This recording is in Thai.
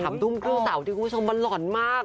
ถามทุ่มเต้าสาวที่คุณผู้ชมมันหลอนมาก